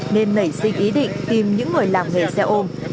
nên nảy sinh ý định tìm những người làm nghề xe ôm